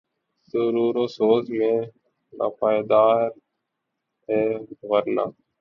سرور و سوز میں ناپائیدار ہے ورنہ